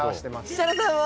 設楽さんは？